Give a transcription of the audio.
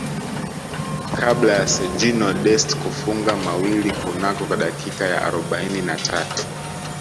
kabla ya Sergino Dest kufunga mawili kunako dakika ya arobaini na tatu